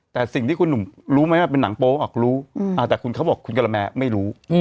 แต่สิ่งที่คุณหนุ่มรู้ไหมว่าเป็นหนังโป๊ออกรู้แต่คุณเขาบอกคุณกะละแมไม่รู้